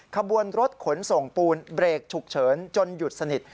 ขบวนรถขนส่งปูนเบรกฉุกเฉินจนหยุดสนิท